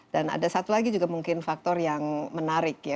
dan ada satu lagi juga mungkin faktor yang menarik ya